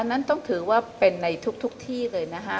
นั่นต้องถือว่าเป็นในทุกที่เลยนะคะ